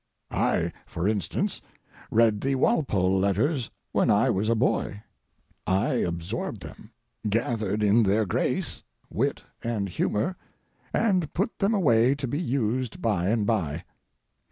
I, for instance, read the Walpole Letters when I was a boy. I absorbed them, gathered in their grace, wit, and humor, and put them away to be used by and by.